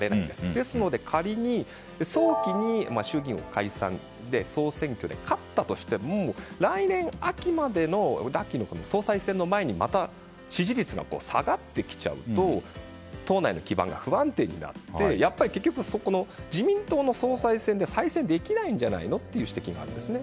ですので仮に早期に衆議院を解散総選挙で勝ったとしても来年秋までにまた、この秋の総裁選でまた支持率が下がってきちゃうと党内の基盤が不安定になって結局、そこの自民党の総裁選で再選できないのではという指摘があるんですね。